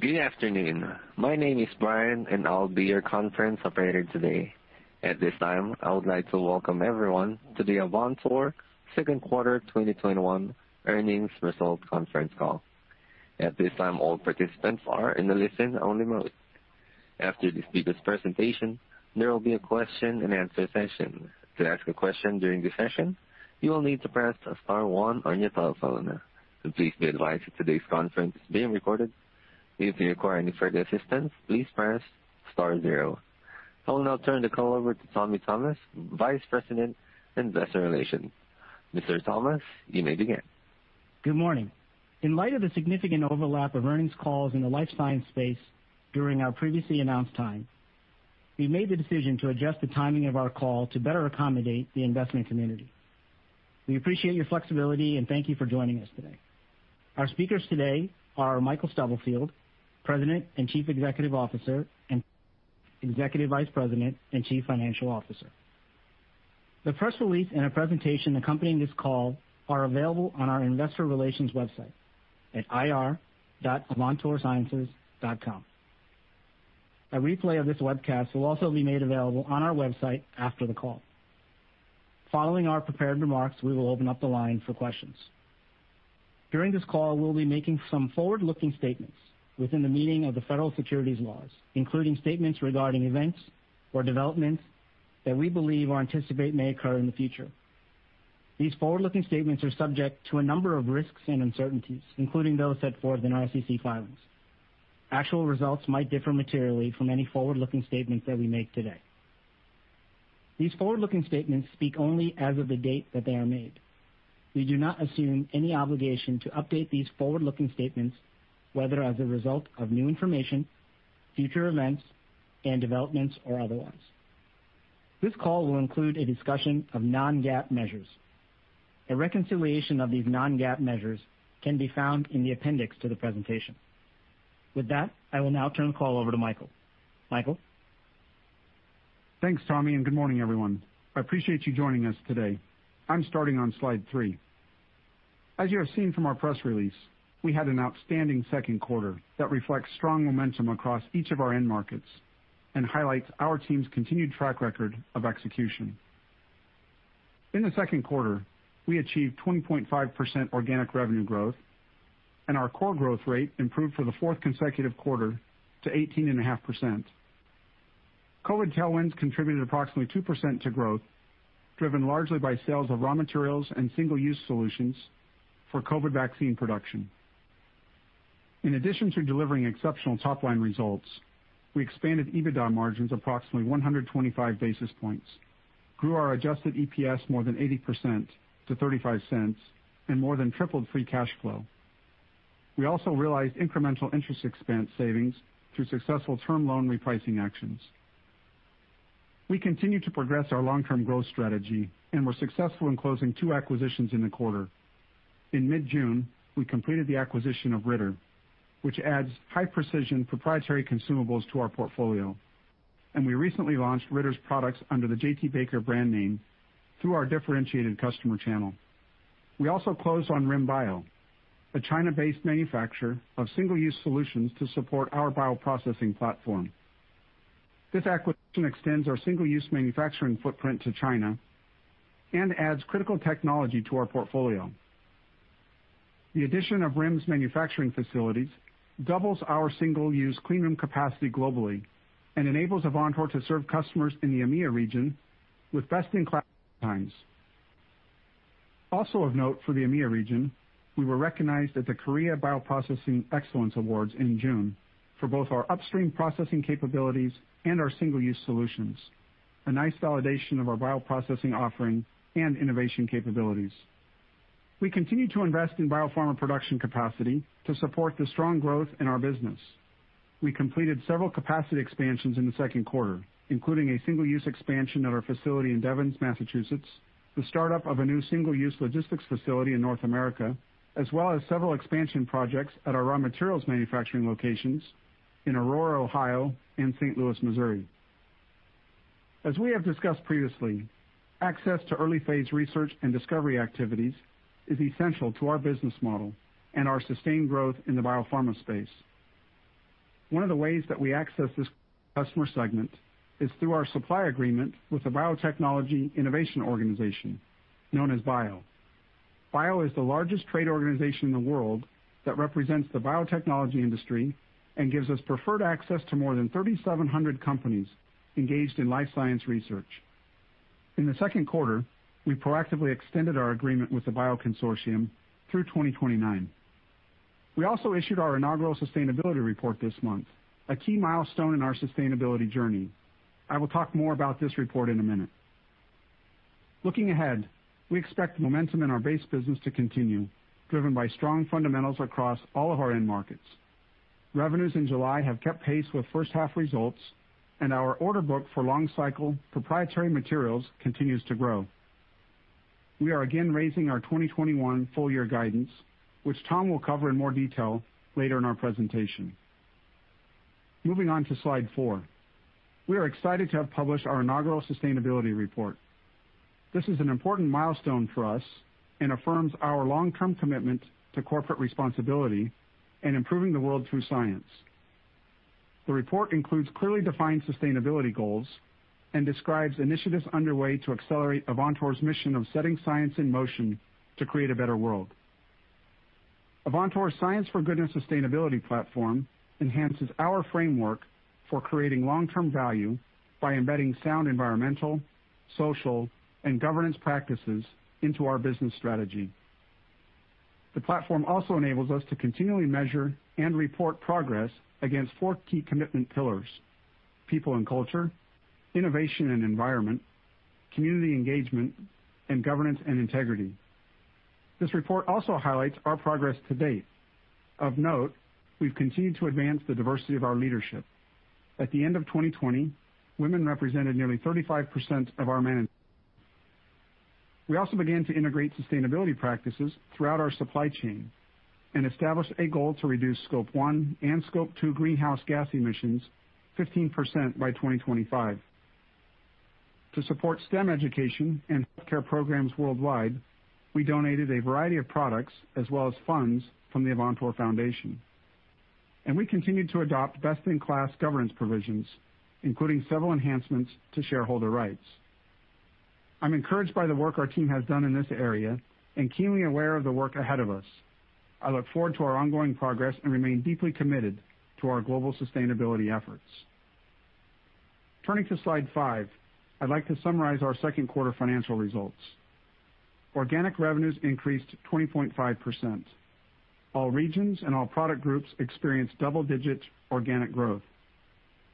Good afternoon. My name is Brian, and I'll be your conference operator today. At this time, I would like to welcome everyone to the Avantor second quarter 2021 earnings results conference call. At this time, all participants are in a listen-only mode. After the speakers' presentation, there will be a question and answer session. To ask a question during the session, you will need to press star one on your telephone. Please be advised that today's conference is being recorded. If you require any further assistance, please press star zero. I will now turn the call over to Tommy Thomas, Vice President and Investor Relations. Mr. Thomas, you may begin. Good morning. In light of the significant overlap of earnings calls in the life science space during our previously announced time, we made the decision to adjust the timing of our call to better accommodate the investment community. We appreciate your flexibility and thank you for joining us today. Our speakers today are Michael Stubblefield, President and Chief Executive Officer, and Executive Vice President and Chief Financial Officer. The press release and a presentation accompanying this call are available on our investor relations website at ir.avantorsciences.com. A replay of this webcast will also be made available on our website after the call. Following our prepared remarks, we will open up the line for questions. During this call, we'll be making some forward-looking statements within the meaning of the federal securities laws, including statements regarding events or developments that we believe or anticipate may occur in the future. These forward-looking statements are subject to a number of risks and uncertainties, including those set forth in our SEC filings. Actual results might differ materially from any forward-looking statements that we make today. These forward-looking statements speak only as of the date that they are made. We do not assume any obligation to update these forward-looking statements, whether as a result of new information, future events, and developments or otherwise. This call will include a discussion of non-GAAP measures. A reconciliation of these non-GAAP measures can be found in the appendix to the presentation. With that, I will now turn the call over to Michael. Michael? Thanks, Tommy, and good morning, everyone. I appreciate you joining us today. I'm starting on slide 3. As you have seen from our press release, we had an outstanding second quarter that reflects strong momentum across each of our end markets and highlights our team's continued track record of execution. In the second quarter, we achieved 20.5% organic revenue growth, and our core growth rate improved for the fourth consecutive quarter to 18.5%. COVID tailwinds contributed approximately 2% to growth, driven largely by sales of raw materials and single-use solutions for COVID vaccine production. In addition to delivering exceptional top-line results, we expanded EBITDA margins approximately 125 basis points, grew our adjusted EPS more than 80% to $0.35, and more than tripled free cash flow. We also realized incremental interest expense savings through successful term loan repricing actions. We continue to progress our long-term growth strategy and were successful in closing two acquisitions in the quarter. In mid-June, we completed the acquisition of Ritter, which adds high-precision proprietary consumables to our portfolio. We recently launched Ritter's products under the J.T. Baker brand name through our differentiated customer channel. We also closed on RIM Bio, a China-based manufacturer of single-use solutions to support our bioprocessing platform. This acquisition extends our single-use manufacturing footprint to China and adds critical technology to our portfolio. The addition of RIM's manufacturing facilities doubles our single-use clean room capacity globally and enables Avantor to serve customers in the AMEA region with best-in-class lead times. Also of note for the AMEA region, we were recognized at the Korea Bioprocessing Excellence Awards in June for both our upstream processing capabilities and our single-use solutions, a nice validation of our bioprocessing offering and innovation capabilities. We continue to invest in biopharma production capacity to support the strong growth in our business. We completed several capacity expansions in the second quarter, including a single-use expansion at our facility in Devens, Massachusetts, the startup of a new single-use logistics facility in North America, as well as several expansion projects at our raw materials manufacturing locations in Aurora, Ohio and St. Louis, Missouri. As we have discussed previously, access to early phase research and discovery activities is essential to our business model and our sustained growth in the biopharma space. One of the ways that we access this customer segment is through our supply agreement with the Biotechnology Innovation Organization, known as BIO. BIO is the largest trade organization in the world that represents the biotechnology industry and gives us preferred access to more than 3,700 companies engaged in life science research. In the second quarter, we proactively extended our agreement with the BIO consortium through 2029. We also issued our inaugural sustainability report this month, a key milestone in our sustainability journey. I will talk more about this report in a minute. Looking ahead, we expect momentum in our base business to continue, driven by strong fundamentals across all of our end markets. Revenues in July have kept pace with first half results, and our order book for long cycle proprietary materials continues to grow. We are again raising our 2021 full year guidance, which Tom will cover in more detail later in our presentation. Moving on to slide four. We are excited to have published our inaugural sustainability report. This is an important milestone for us and affirms our long-term commitment to corporate responsibility and improving the world through science. The report includes clearly defined sustainability goals and describes initiatives underway to accelerate Avantor's mission of setting science in motion to create a better world. Avantor's Science for Goodness and Sustainability platform enhances our framework for creating long-term value by embedding sound environmental, social, and governance practices into our business strategy. The platform also enables us to continually measure and report progress against four key commitment pillars, people and culture, innovation and environment, community engagement, and governance and integrity. This report also highlights our progress to date. Of note, we've continued to advance the diversity of our leadership. At the end of 2020, women represented nearly 35% of our management. We also began to integrate sustainability practices throughout our supply chain and established a goal to reduce Scope 1 and Scope 2 greenhouse gas emissions 15% by 2025. To support STEM education and healthcare programs worldwide, we donated a variety of products as well as funds from the Avantor Foundation. We continued to adopt best-in-class governance provisions, including several enhancements to shareholder rights. I'm encouraged by the work our team has done in this area and keenly aware of the work ahead of us. I look forward to our ongoing progress and remain deeply committed to our global sustainability efforts. Turning to slide five, I'd like to summarize our second quarter financial results. Organic revenues increased 20.5%. All regions and all product groups experienced double-digit organic growth.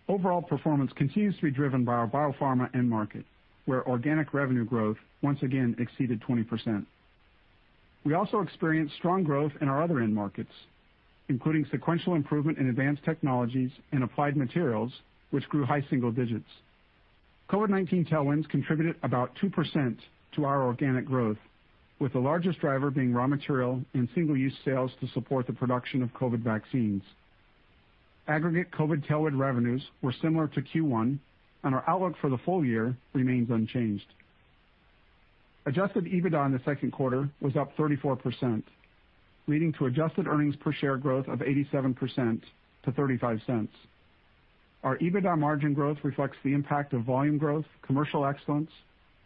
Overall performance continues to be driven by our biopharma end market, where organic revenue growth once again exceeded 20%. We also experienced strong growth in our other end markets, including sequential improvement in advanced technologies and applied materials, which grew high single digits. COVID-19 tailwinds contributed about 2% to our organic growth, with the largest driver being raw material and single-use sales to support the production of COVID vaccines. Aggregate COVID tailwind revenues were similar to Q1, and our outlook for the full year remains unchanged. Adjusted EBITDA in the second quarter was up 34%, leading to adjusted earnings per share growth of 87% to $0.35. Our EBITDA margin growth reflects the impact of volume growth, commercial excellence,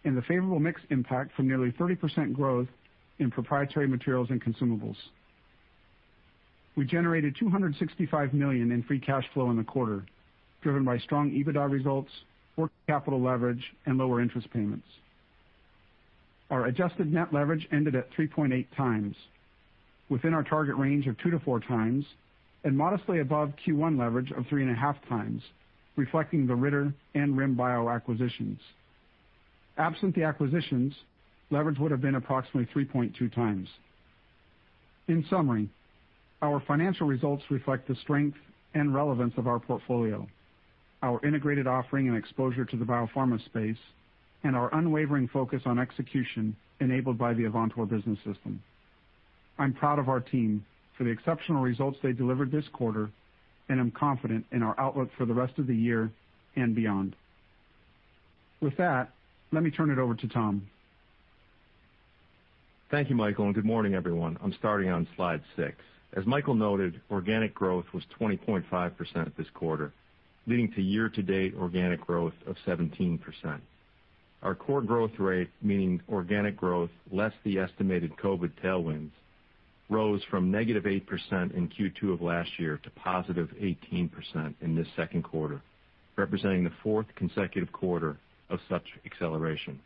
and the favorable mix impact from nearly 30% growth in proprietary materials and consumables. We generated $265 million in free cash flow in the quarter, driven by strong EBITDA results, working capital leverage, and lower interest payments. Our adjusted net leverage ended at 3.8x, within our target range of 2x-4x, and modestly above Q1 leverage of 3.5x, reflecting the Ritter and RIM Bio acquisitions. Absent the acquisitions, leverage would've been approximately 3.2x. In summary, our financial results reflect the strength and relevance of our portfolio, our integrated offering and exposure to the biopharma space, and our unwavering focus on execution enabled by the Avantor Business System. I'm proud of our team for the exceptional results they delivered this quarter, and I'm confident in our outlook for the rest of the year and beyond. With that, let me turn it over to Tom. Thank you, Michael, good morning, everyone. I'm starting on slide six. As Michael noted, organic growth was 20.5% this quarter, leading to year-to-date organic growth of 17%. Our core growth rate, meaning organic growth less the estimated COVID tailwinds, rose from negative 8% in Q2 of last year to positive 18% in this second quarter, representing the fourth consecutive quarter of such acceleration.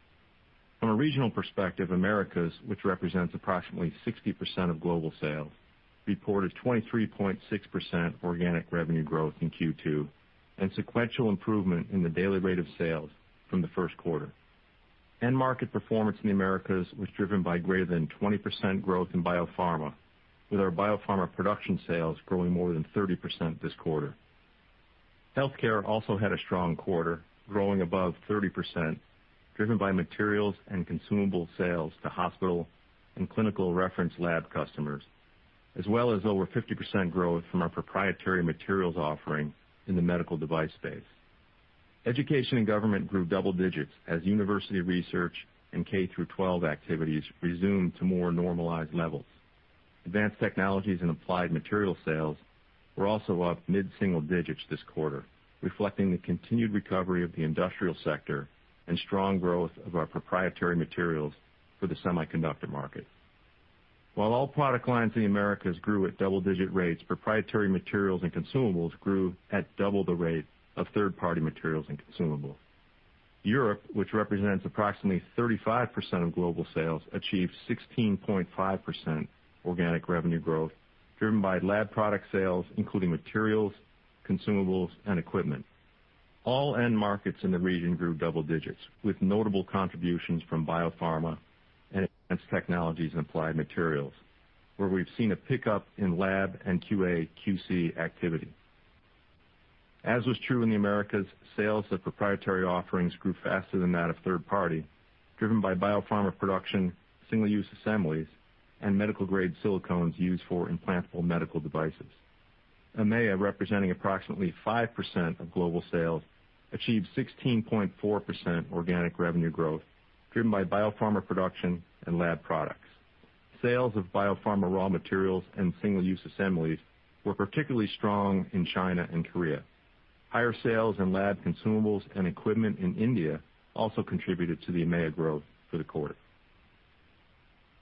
From a regional perspective, Americas, which represents approximately 60% of global sales, reported 23.6% organic revenue growth in Q2 and sequential improvement in the daily rate of sales from the first quarter. End market performance in the Americas was driven by greater than 20% growth in biopharma, with our biopharma production sales growing more than 30% this quarter. Healthcare also had a strong quarter, growing above 30%, driven by materials and consumable sales to hospital and clinical reference lab customers, as well as over 50% growth from our proprietary materials offering in the medical device space. Education and government grew double digits as university research and K through 12 activities resumed to more normalized levels. Advanced technologies and applied material sales were also up mid-single digits this quarter, reflecting the continued recovery of the industrial sector and strong growth of our proprietary materials for the semiconductor market. While all product lines in the Americas grew at double-digit rates, proprietary materials and consumables grew at double the rate of third-party materials and consumables. Europe, which represents approximately 35% of global sales, achieved 16.5% organic revenue growth, driven by lab product sales, including materials, consumables, and equipment. All end markets in the region grew double digits, with notable contributions from biopharma and advanced technologies and applied materials, where we've seen a pickup in lab and QA, QC activity. As was true in the Americas, sales of proprietary offerings grew faster than that of third party, driven by biopharma production, single-use assemblies and medical grade silicones used for implantable medical devices. AMEA, representing approximately 5% of global sales, achieved 16.4% organic revenue growth, driven by biopharma production and lab products. Sales of biopharma raw materials and single-use assemblies were particularly strong in China and Korea. Higher sales in lab consumables and equipment in India also contributed to the AMEA growth for the quarter.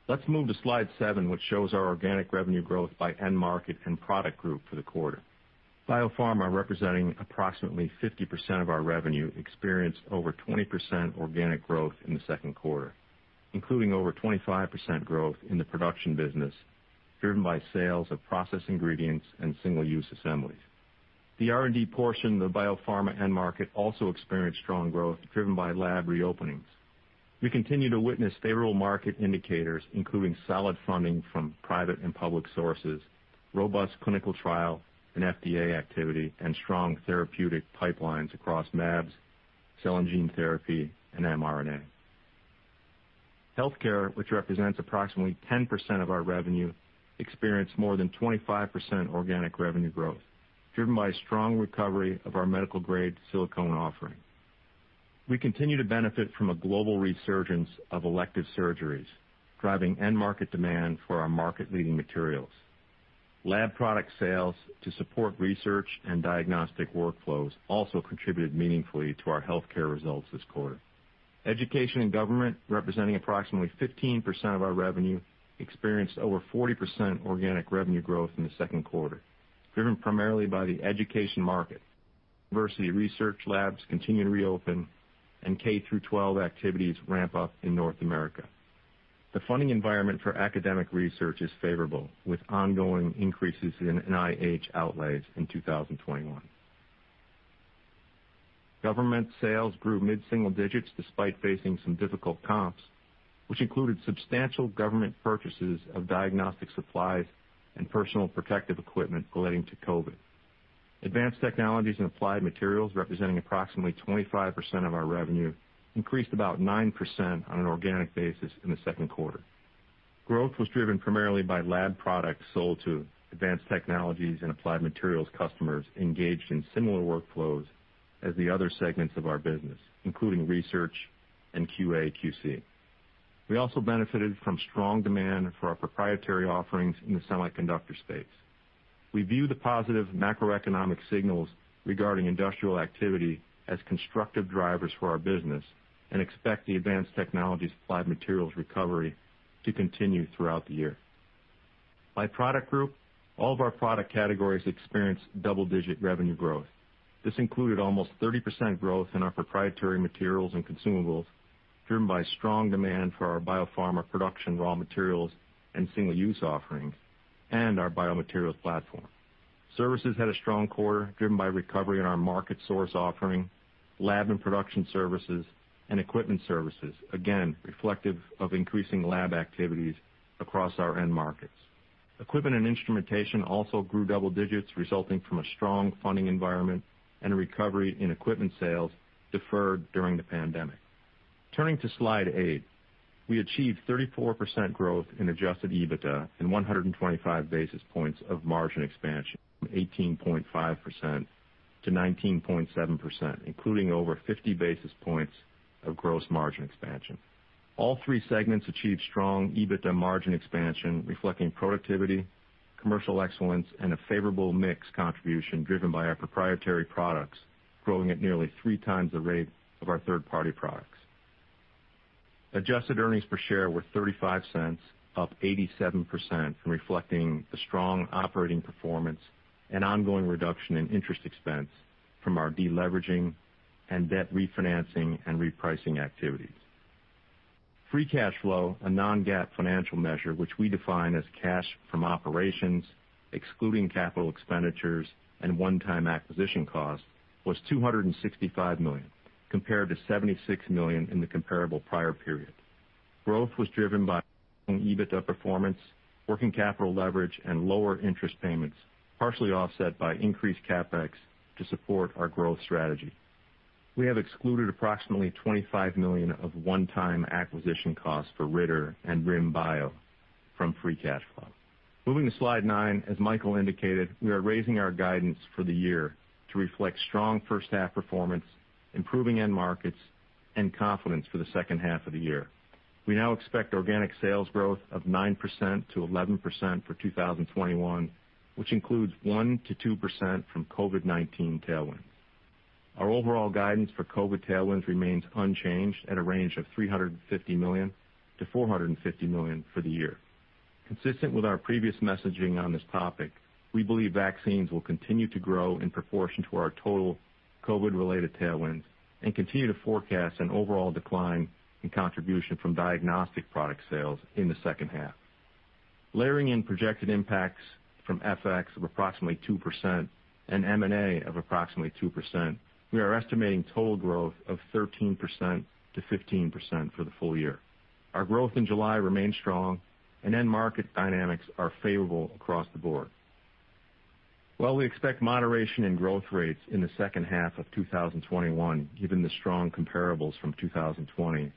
Let's move to slide seven, which shows our organic revenue growth by end market and product group for the quarter. Biopharma, representing approximately 50% of our revenue, experienced over 20% organic growth in the second quarter, including over 25% growth in the production business, driven by sales of process ingredients and single-use assemblies. The R&D portion of the biopharma end market also experienced strong growth, driven by lab reopenings. We continue to witness favorable market indicators, including solid funding from private and public sources, robust clinical trial and FDA activity, and strong therapeutic pipelines across mAbs, cell and gene therapy, and mRNA. Healthcare, which represents approximately 10% of our revenue, experienced more than 25% organic revenue growth, driven by strong recovery of our medical grade silicone offering. We continue to benefit from a global resurgence of elective surgeries, driving end market demand for our market-leading materials. Lab product sales to support research and diagnostic workflows also contributed meaningfully to our healthcare results this quarter. Education and government, representing approximately 15% of our revenue, experienced over 40% organic revenue growth in the second quarter, driven primarily by the education market. University research labs continue to reopen, and K through 12 activities ramp up in North America. The funding environment for academic research is favorable, with ongoing increases in NIH outlays in 2021. Government sales grew mid-single digits despite facing some difficult comps, which included substantial government purchases of diagnostic supplies and personal protective equipment relating to COVID. Advanced technologies and applied materials, representing approximately 25% of our revenue, increased about 9% on an organic basis in the second quarter. Growth was driven primarily by lab products sold to advanced technologies and applied materials customers engaged in similar workflows as the other segments of our business, including research and QA, QC. We also benefited from strong demand for our proprietary offerings in the semiconductor space. We view the positive macroeconomic signals regarding industrial activity as constructive drivers for our business, and expect the advanced technology supply materials recovery to continue throughout the year. By product group, all of our product categories experienced double-digit revenue growth. This included almost 30% growth in our proprietary materials and consumables, driven by strong demand for our biopharma production raw materials and single-use offerings, and our biomaterials platform. Services had a strong quarter, driven by recovery in our MarketSource offering, lab and production services, and equipment services, again, reflective of increasing lab activities across our end markets. Equipment and instrumentation also grew double digits, resulting from a strong funding environment and a recovery in equipment sales deferred during the pandemic. Turning to slide eight, we achieved 34% growth in adjusted EBITDA and 125 basis points of margin expansion from 18.5%-19.7%, including over 50 basis points of gross margin expansion. All three segments achieved strong EBITDA margin expansion, reflecting productivity, commercial excellence, and a favorable mix contribution driven by our proprietary products growing at nearly 3x the rate of our third-party products. Adjusted earnings per share were $0.35, up 87%, reflecting the strong operating performance and ongoing reduction in interest expense from our de-leveraging and debt refinancing and repricing activities. Free cash flow, a non-GAAP financial measure, which we define as cash from operations, excluding capital expenditures and one-time acquisition costs, was $265 million, compared to $76 million in the comparable prior period. Growth was driven by EBITDA performance, working capital leverage, and lower interest payments, partially offset by increased CapEx to support our growth strategy. We have excluded approximately $25 million of one-time acquisition costs for Ritter and RIM Bio from free cash flow. Moving to slide nine, as Michael indicated, we are raising our guidance for the year to reflect strong first half performance, improving end markets, and confidence for the second half of the year. We now expect organic sales growth of 9%-11% for 2021, which includes 1%-2% from COVID-19 tailwinds. Our overall guidance for COVID tailwinds remains unchanged at a range of $350 million-$450 million for the year. Consistent with our previous messaging on this topic, we believe vaccines will continue to grow in proportion to our total COVID-related tailwinds and continue to forecast an overall decline in contribution from diagnostic product sales in the second half. Layering in projected impacts from FX of approximately 2% and M&A of approximately 2%, we are estimating total growth of 13%-15% for the full year. Our growth in July remains strong and end market dynamics are favorable across the board. Well, we expect moderation in growth rates in the second half of 2021, given the strong comparables from 2020.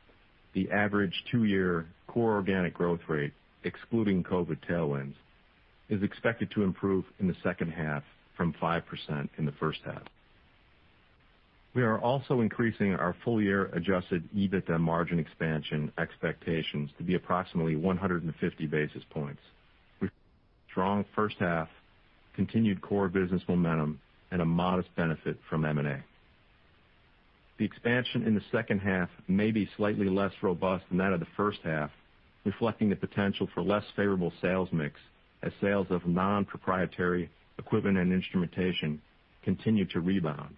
The average two-year core organic growth rate, excluding COVID tailwinds, is expected to improve in the second half from 5% in the first half. We are also increasing our full-year adjusted EBITDA margin expansion expectations to be approximately 150 basis points. Strong first half, continued core business momentum, and a modest benefit from M&A. The expansion in the second half may be slightly less robust than that of the first half, reflecting the potential for less favorable sales mix as sales of non-proprietary equipment and instrumentation continue to rebound,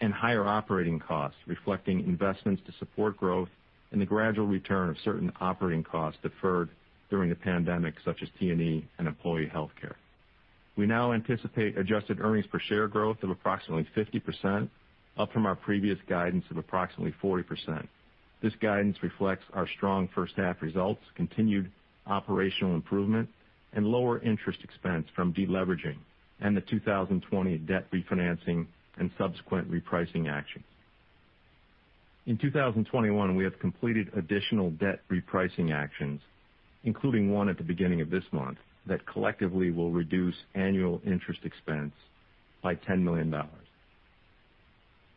and higher operating costs reflecting investments to support growth and the gradual return of certain operating costs deferred during the pandemic, such as T&E and employee healthcare. We now anticipate adjusted Earnings Per Share growth of approximately 50%, up from our previous guidance of approximately 40%. This guidance reflects our strong first half results, continued operational improvement, and lower interest expense from deleveraging and the 2020 debt refinancing and subsequent repricing action. In 2021, we have completed additional debt repricing actions, including one at the beginning of this month, that collectively will reduce annual interest expense by $10 million.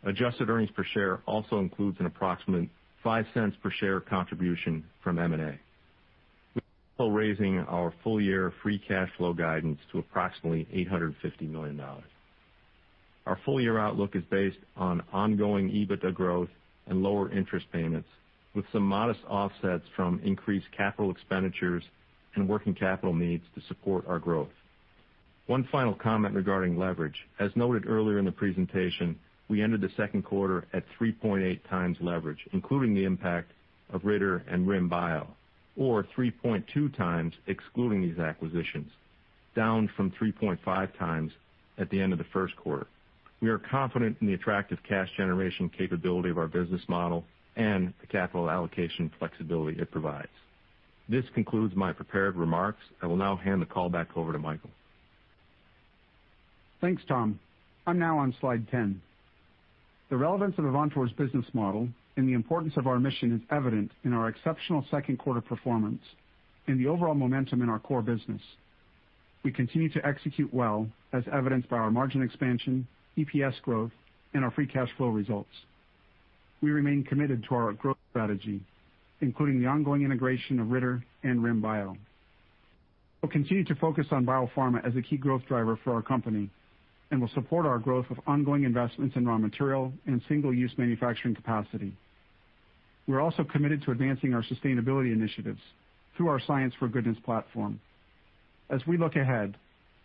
Adjusted Earnings Per Share also includes an approximate $0.05 per share contribution from M&A. We're also raising our full-year free cash flow guidance to approximately $850 million. Our full-year outlook is based on ongoing EBITDA growth and lower interest payments, with some modest offsets from increased capital expenditures and working capital needs to support our growth. One final comment regarding leverage. As noted earlier in the presentation, we ended the second quarter at 3.8x leverage, including the impact of Ritter and RIM Bio, or 3.2x excluding these acquisitions, down from 3.5x at the end of the first quarter. We are confident in the attractive cash generation capability of our business model and the capital allocation flexibility it provides. This concludes my prepared remarks. I will now hand the call back over to Michael. Thanks, Tom. I'm now on slide 10. The relevance of Avantor's business model and the importance of our mission is evident in our exceptional second quarter performance and the overall momentum in our core business. We continue to execute well, as evidenced by our margin expansion, EPS growth, and our free cash flow results. We remain committed to our growth strategy, including the ongoing integration of Ritter and RIM Bio. We'll continue to focus on biopharma as a key growth driver for our company and will support our growth of ongoing investments in raw material and single-use manufacturing capacity. We're also committed to advancing our sustainability initiatives through our Science for Goodness platform. As we look ahead,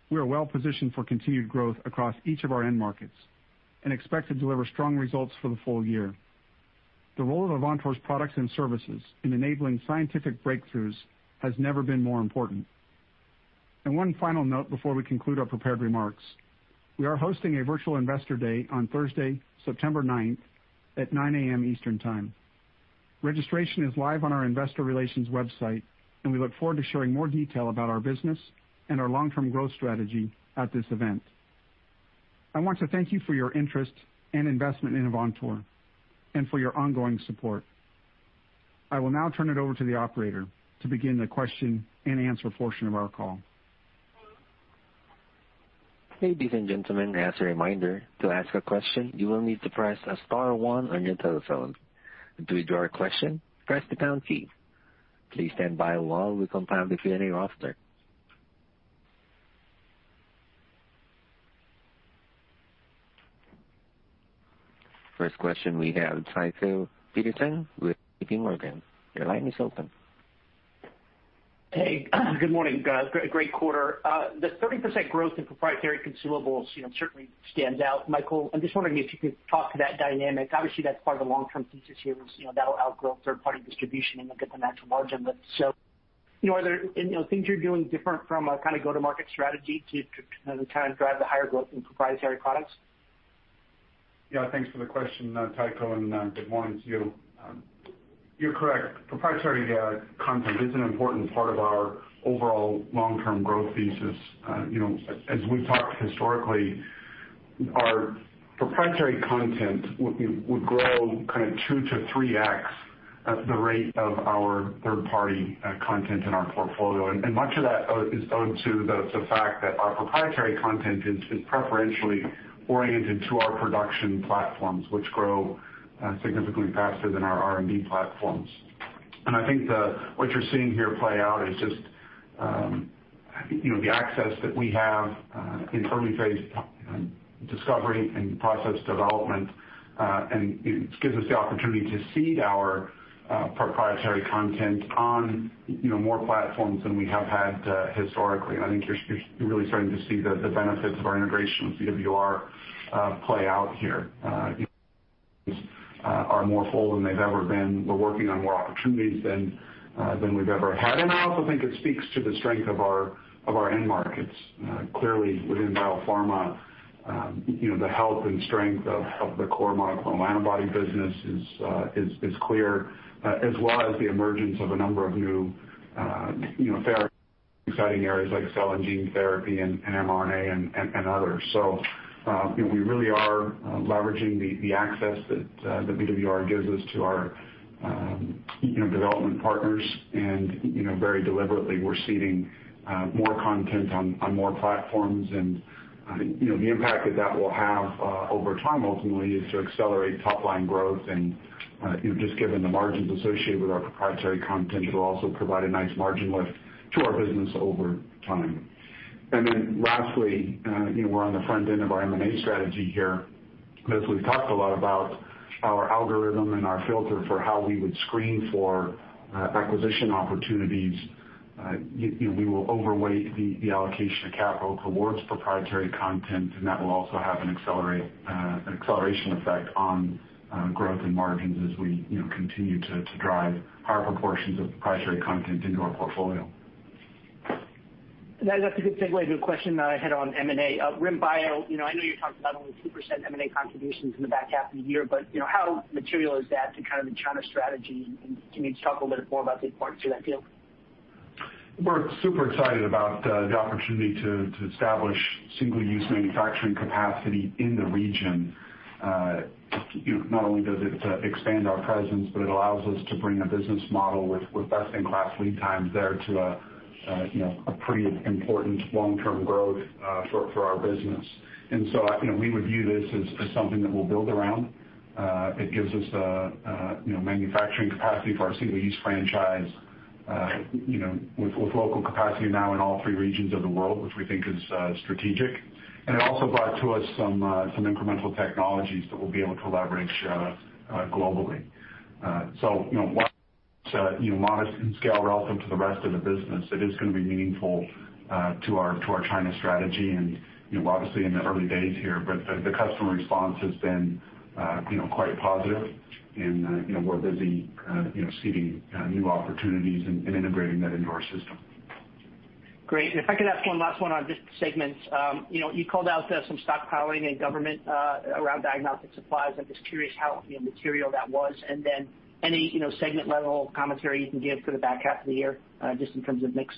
we are well positioned for continued growth across each of our end markets and expect to deliver strong results for the full year. The role of Avantor's products and services in enabling scientific breakthroughs has never been more important. One final note before we conclude our prepared remarks, we are hosting a virtual Investor Day on Thursday, September 9th at 9:00 A.M. Eastern Time. Registration is live on our investor relations website, and we look forward to sharing more detail about our business and our long-term growth strategy at this event. I want to thank you for your interest and investment in Avantor and for your ongoing support. I will now turn it over to the operator to begin the question and answer portion of our call. Ladies and gentlemen, as a reminder, to ask a question, you will need to press star one on your telephone. To withdraw a question, press the pound key. Please stand by while we compile the queue in roster. First question we have Tycho Peterson with JPMorgan. Your line is open. Hey. Good morning, guys. Great quarter. The 30% growth in proprietary consumables certainly stands out. Michael, I'm just wondering if you could talk to that dynamic. Obviously, that's part of the long-term thesis here, that'll outgrow third-party distribution and you'll get the natural margin lift. Are there things you're doing different from a go-to-market strategy to kind of drive the higher growth in proprietary products? Yeah, thanks for the question, Tycho, and good morning to you. You're correct. Proprietary content is an important part of our overall long-term growth thesis. As we've talked historically, our proprietary content would grow kind of 2x-3x at the rate of our third-party content in our portfolio. Much of that is owed to the fact that our proprietary content is preferentially oriented to our production platforms, which grow significantly faster than our R&D platforms. I think what you're seeing here play out is just the access that we have in early phase discovery and process development, and it gives us the opportunity to seed our proprietary content on more platforms than we have had historically. I think you're really starting to see the benefits of our integration with VWR play out here. Are more full than they've ever been. We're working on more opportunities than we've ever had, and I also think it speaks to the strength of our end markets. Clearly within biopharma. The health and strength of the core monoclonal antibody business is clear, as well as the emergence of a number of new therapy exciting areas like cell and gene therapy and mRNA and others. We really are leveraging the access that VWR gives us to our development partners and very deliberately, we're seeding more content on more platforms. The impact that will have over time, ultimately, is to accelerate top-line growth and just given the margins associated with our proprietary content, it'll also provide a nice margin lift to our business over time. Lastly, we're on the front end of our M&A strategy here. As we've talked a lot about our algorithm and our filter for how we would screen for acquisition opportunities, we will overweight the allocation of capital towards proprietary content, and that will also have an acceleration effect on growth and margins as we continue to drive higher proportions of proprietary content into our portfolio. That's a good segue to a question I had on M&A. RIM Bio, I know you talked about only 2% M&A contributions in the back half of the year, but how material is that to the China strategy? Can you just talk a little bit more about the importance of that deal? We're super excited about the opportunity to establish single-use manufacturing capacity in the region. Not only does it expand our presence, but it allows us to bring a business model with best-in-class lead times there to a pretty important long-term growth for our business. We would view this as something that we'll build around. It gives us a manufacturing capacity for our single-use franchise with local capacity now in all three regions of the world, which we think is strategic. It also brought to us some incremental technologies that we'll be able to leverage globally. While it's modest and scale relevant to the rest of the business, it is going to be meaningful to our China strategy. Obviously in the early days here, but the customer response has been quite positive and we're busy seeding new opportunities and integrating that into our system. Great. If I could ask 1 last one on just segments. You called out some stockpiling in government around diagnostic supplies. I'm just curious how material that was, any segment level commentary you can give for the back half of the year, just in terms of mix.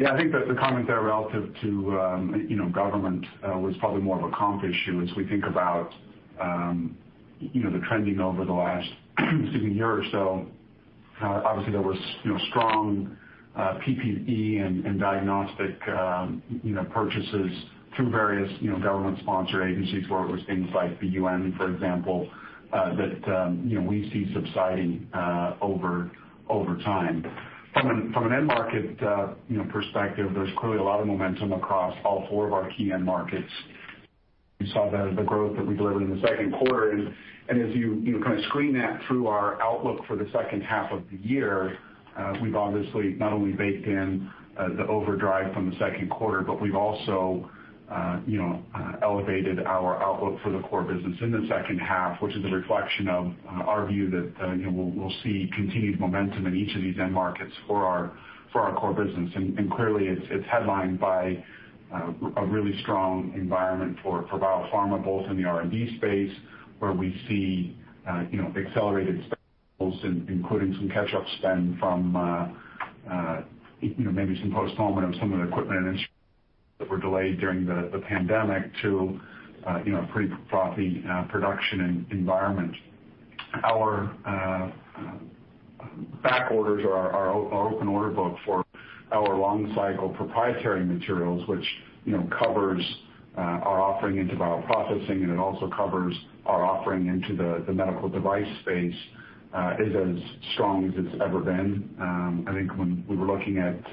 Yeah, I think that the comment there relative to government was probably more of a comp issue as we think about the trending over the last year or so. Obviously, there was strong PPE and diagnostic purchases through various government-sponsored agencies, whether it was things like the UN, for example, that we see subsiding over time. From an end market perspective, there's clearly a lot of momentum across all four of our key end markets. You saw the growth that we delivered in the second quarter. As you kind of screen that through our outlook for the second half of the year, we've obviously not only baked in the overdrive from the second quarter, but we've also elevated our outlook for the core business in the second half, which is a reflection of our view that we'll see continued momentum in each of these end markets for our core business. Clearly it's headlined by a really strong environment for biopharma, both in the R&D space where we see accelerated spend, including some catch-up spend from maybe some postponement of some of the equipment and instruments that were delayed during the pandemic to a pretty frothy production environment. Our back orders or our open order book for our long-cycle proprietary materials, which covers our offering into bioprocessing, and it also covers our offering into the medical device space, is as strong as it's ever been. I think when we were looking at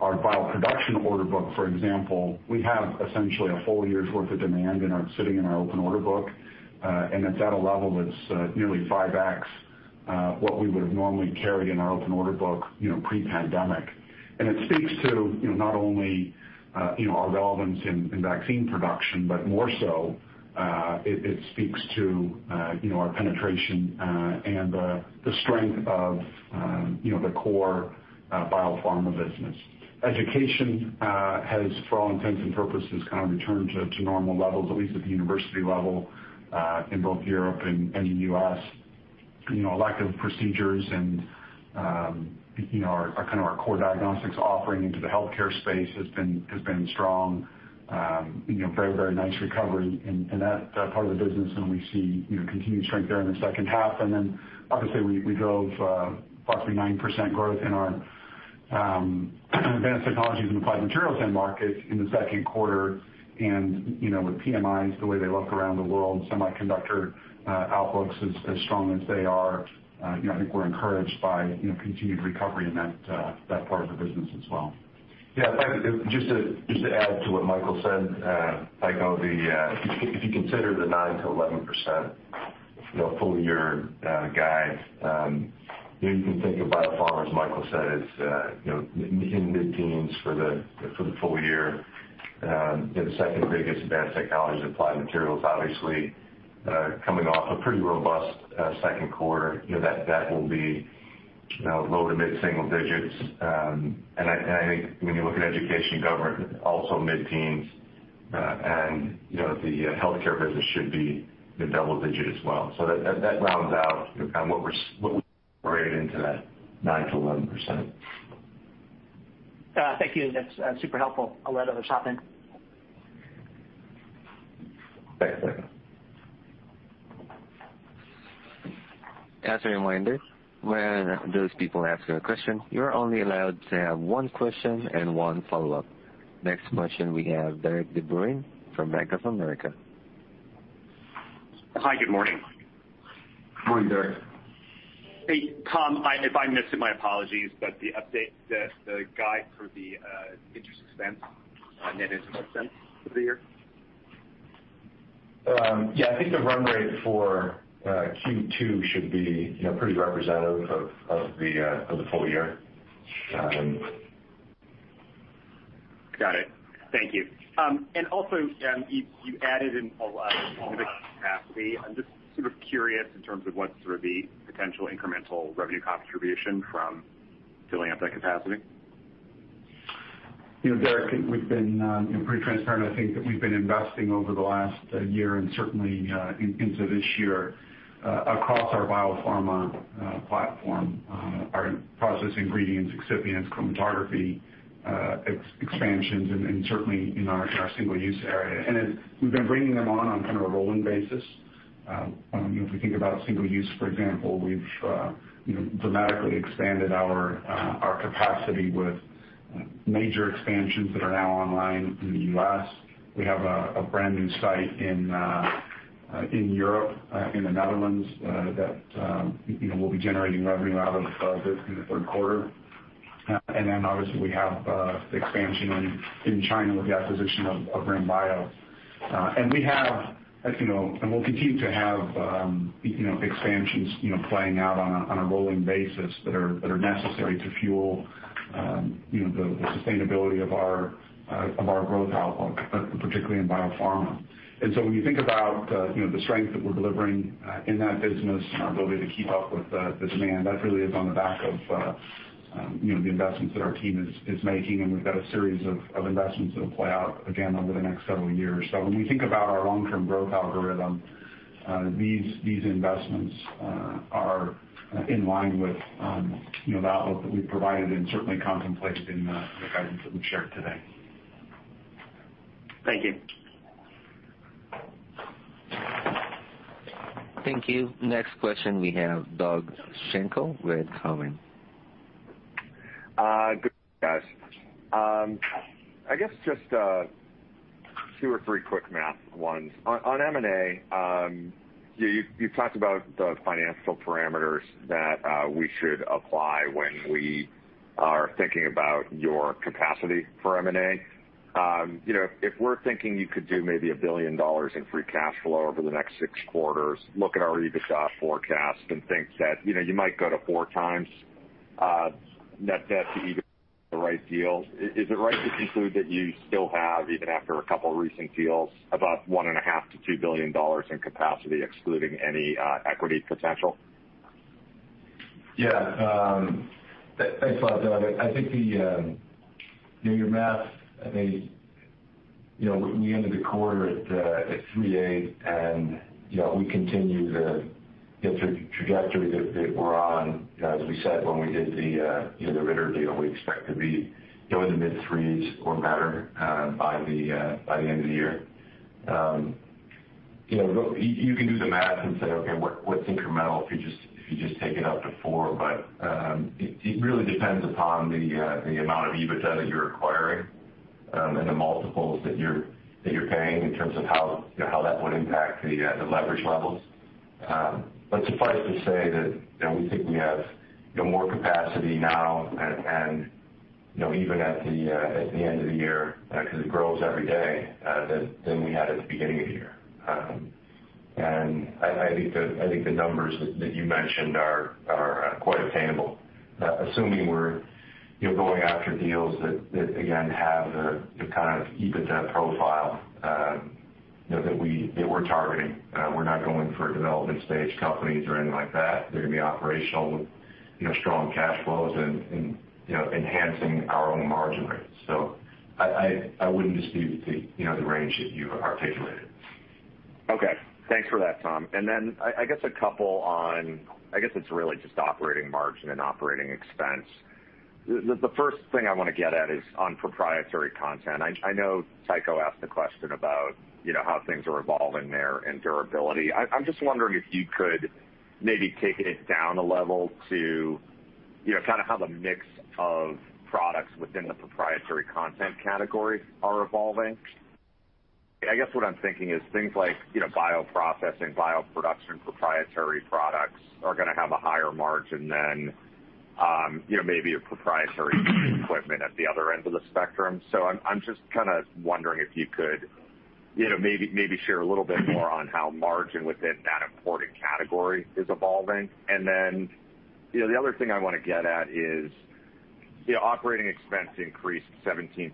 our bioproduction order book, for example, we have essentially a full year's worth of demand sitting in our open order book. It's at a level that's nearly 5x what we would've normally carried in our open order book pre-pandemic. It speaks to not only our relevance in vaccine production, but more so, it speaks to our penetration and the strength of the core biopharma business. Education has, for all intents and purposes, kind of returned to normal levels, at least at the university level, in both Europe and the U.S. Elective procedures and our core diagnostics offering into the healthcare space has been strong. Very nice recovery in that part of the business, we see continued strength there in the second half. Obviously we drove roughly 9% growth in our advanced technologies and applied materials end market in the second quarter. With PMIs the way they look around the world, semiconductor outlooks as strong as they are, I think we're encouraged by continued recovery in that part of the business as well. Yeah. Just to add to what Michael said, Tycho, if you consider the 9%-11% full-year guide, you can think of biopharma, as Michael said, it's in mid-teens for the full year. The second-biggest advanced technologies applied materials obviously coming off a pretty robust second quarter. That will be Low to mid-single digits. I think when you look at education and government, also mid-teens, the healthcare business should be double-digit as well. That rounds out what we're into that 9%-11%. Thank you. That's super helpful. I'll let others hop in. Thanks. As a reminder, when those people ask you a question, you are only allowed to have 1 question and 1 follow-up. Next question we have Derik de Bruin from Bank of America. Hi, good morning. Morning, Derik. Hey, Tom, if I missed it, my apologies, but the update that the guide for the interest expense, net interest expense for the year? Yeah, I think the run rate for Q2 should be pretty representative of the full year. Got it. Thank you. Also, you added in a lot of capacity. I'm just sort of curious in terms of what sort of the potential incremental revenue contribution from filling up that capacity. Derik, we've been pretty transparent, I think that we've been investing over the last one year and certainly into this year, across our biopharma platform, our process ingredients, excipients, chromatography expansions, and certainly in our single-use area. We've been bringing them on a rolling basis. If we think about single-use, for example, we've dramatically expanded our capacity with major expansions that are now online in the U.S. We have a brand new site in Europe, in the Netherlands, that we'll be generating revenue out of this in the third quarter. Then obviously we have the expansion in China with the acquisition of RIM Bio. We'll continue to have expansions playing out on a rolling basis that are necessary to fuel the sustainability of our growth outlook, particularly in biopharma. When you think about the strength that we're delivering in that business, our ability to keep up with the demand, that really is on the back of the investments that our team is making, and we've got a series of investments that'll play out again over the next several years. When we think about our long-term growth algorithm, these investments are in line with the outlook that we provided and certainly contemplated in the guidance that we've shared today. Thank you. Thank you. Next question we have Doug Schenkel with Cowen. Good guys. I guess just two or three quick math ones. On M&A, you've talked about the financial parameters that we should apply when we are thinking about your capacity for M&A. If we're thinking you could do maybe $1 billion in free cash flow over the next six quarters, look at our EBITDA forecast and think that you might go to 4x net debt to EBITDA, the right deal. Is it right to conclude that you still have, even after a couple recent deals, about $1.5 billion-$2 billion in capacity excluding any equity potential? Yeah. Thanks a lot, Doug. I think your math, I think, we ended the quarter at 3.8 and we continue the trajectory that we're on. As we said, when we did the Ritter deal, we expect to be in the mid threes or better by the end of the year. You can do the math and say, "Okay, what's incremental if you just take it up to four?" It really depends upon the amount of EBITDA that you're acquiring, and the multiples that you're paying in terms of how that would impact the leverage levels. Suffice to say that we think we have more capacity now and even at the end of the year, because it grows every day, than we had at the beginning of the year. I think the numbers that you mentioned are quite attainable. Assuming we're going after deals that, again, have the kind of EBITDA profile that we're targeting. We're not going for development stage companies or anything like that. They're going to be operational with strong cash flows and enhancing our own margin rates. I wouldn't dispute the range that you articulated. Okay. Thanks for that, Tom. I guess a couple on, I guess it's really just operating margin and operating expense. The first thing I want to get at is on proprietary content. I know Tycho asked a question about how things are evolving there and durability. I'm just wondering if you could maybe take it down a level to kind of how the mix of products within the proprietary content category are evolving. I guess what I'm thinking is things like bioprocessing, bioproduction, proprietary products are going to have a higher margin than maybe a proprietary equipment at the other end of the spectrum. I'm just kind of wondering if you could maybe share a little bit more on how margin within that important category is evolving. The other thing I want to get at is, Yeah, operating expense increased 17%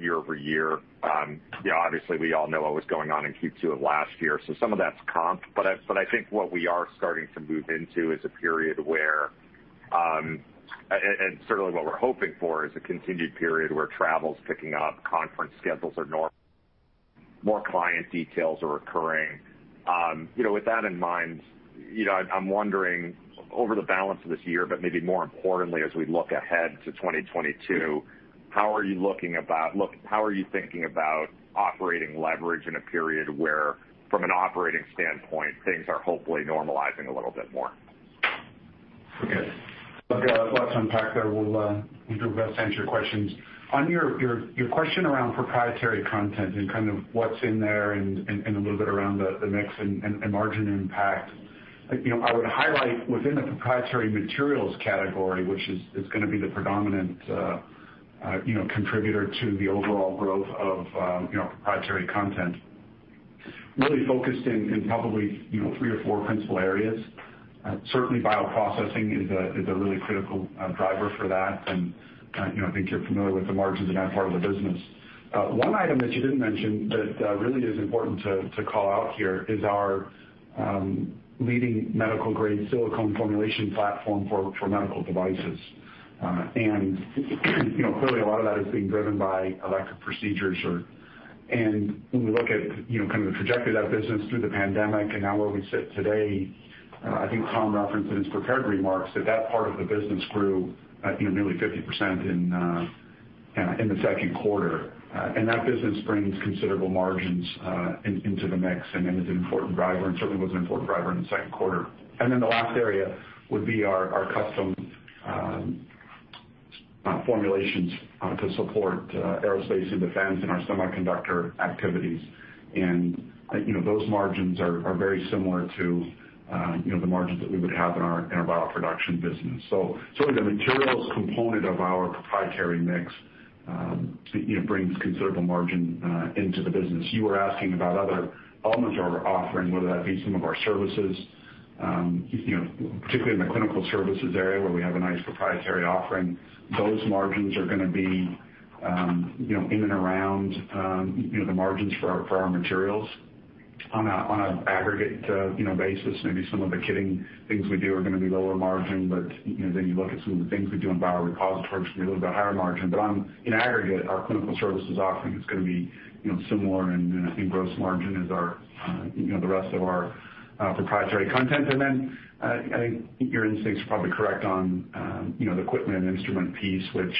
year-over-year. Obviously, we all know what was going on in Q2 of last year, so some of that's comp. I think what we are starting to move into is a period where certainly what we're hoping for is a continued period where travel's picking up, conference schedules are normal, more client details are occurring. With that in mind, I'm wondering over the balance of this year, but maybe more importantly, as we look ahead to 2022, how are you thinking about operating leverage in a period where, from an operating standpoint, things are hopefully normalizing a little bit more? Okay. Look, let's unpack that. We'll do our best to answer your questions. On your question around proprietary content and kind of what's in there and a little bit around the mix and margin impact, I would highlight within the proprietary materials category, which is going to be the predominant contributor to the overall growth of proprietary content, really focused in probably three or four principal areas. Certainly bioprocessing is a really critical driver for that, and I think you're familiar with the margins in that part of the business. One item that you didn't mention that really is important to call out here is our leading medical-grade silicone formulation platform for medical devices. Clearly, a lot of that is being driven by elective procedures. When we look at kind of the trajectory of that business through the pandemic and now where we sit today, I think Tom referenced in his prepared remarks that that part of the business grew nearly 50% in the second quarter. That business brings considerable margins into the mix and is an important driver, and certainly was an important driver in the second quarter. The last area would be our custom formulations to support aerospace and defense and our semiconductor activities. Those margins are very similar to the margins that we would have in our bioproduction business. Certainly the materials component of our proprietary mix brings considerable margin into the business. You were asking about other elements of our offering, whether that be some of our services, particularly in the clinical services area where we have a nice proprietary offering. Those margins are going to be in and around the margins for our materials. On an aggregate basis, maybe some of the kitting things we do are going to be lower margin, you look at some of the things we do in biorepositories, may be a little bit higher margin. In aggregate, our clinical services offering is going to be similar, and I think gross margin is the rest of our proprietary content. I think your instincts are probably correct on the equipment instrument piece, which